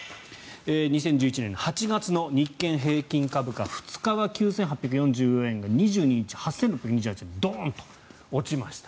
２０１１年の８月の日経平均株価２日は９８４４円が２２日８６２８円とドーンと落ちました。